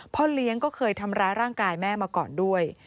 พ่อเลี้ยงก็เคยทำร้ายร่างกายแม่มาก่อนด้วย